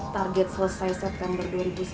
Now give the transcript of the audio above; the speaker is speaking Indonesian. target selesai september dua ribu sembilan belas